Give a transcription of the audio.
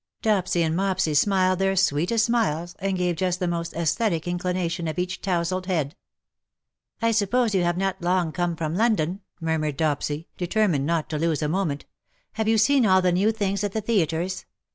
''' Dopsy and Mopsy smiled their sweetest smiles, and gave just the most aesthetic inclination of each towzled head. ^'1 suppose you have not long come from London ?'' murmured Dopsy, determined not to lose a moment. 213 " Have you seen all the new things at the theatres